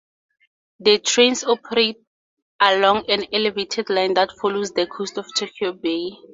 The trains operate along an elevated line that follows the coast of Tokyo Bay.